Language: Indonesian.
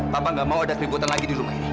papa nggak mau ada keributan lagi di rumah ini